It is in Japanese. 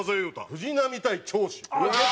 藤波対長州。